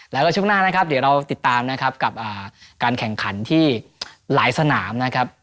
แล้วก็ช่วงหน้านะครับเดี๋ยวเราติดตามนะครับกับการแข่งขันที่หลายสนามนะครับ